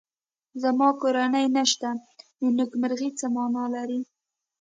زما کورنۍ نشته نو نېکمرغي څه مانا لري